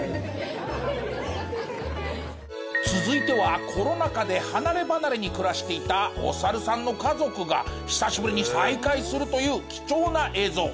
続いてはコロナ禍で離れ離れに暮らしていたおサルさんの家族が久しぶりに再会するという貴重な映像。